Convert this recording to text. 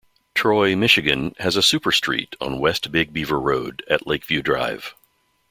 Troy, Michigan has a superstreet on West Big Beaver Road at Lakeview Drive.